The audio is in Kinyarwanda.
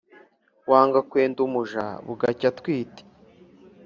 wanga kwenda umuja bugacya atwite